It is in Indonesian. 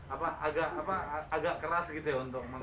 agak keras gitu ya untuk mengerjakan